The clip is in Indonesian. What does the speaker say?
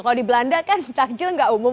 kalau di belanda kan takjil gak umum